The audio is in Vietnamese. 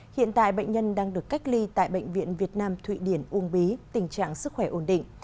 hiện tại bệnh nhân đang được cách ly tại bệnh viện việt nam thụy điển uông bí tình trạng sức khỏe ổn định